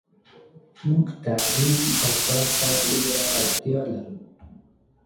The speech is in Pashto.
موږ تعلیم اوکارته ډیره اړتیالرو .